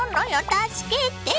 助けて！